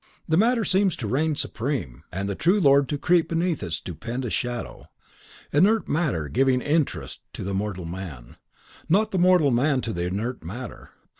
The Matter seems to reign supreme, and its true lord to creep beneath its stupendous shadow. Inert matter giving interest to the immortal man, not the immortal man to the inert matter.